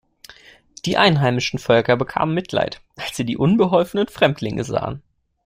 Die einheimischen Völker bekamen Mitleid, als sie die unbeholfenen Fremdlinge sahen.